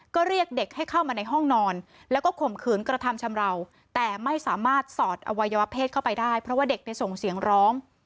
ก็เรียกเด็กให้เข้ามาในห้องนอนแล้วก็ข่มขืนกระทำชำราวแต่ไม่สามารถสอดอวัยวะเพศเข้าไปได้เพราะว่าเด็กในส่งเสียงร้อง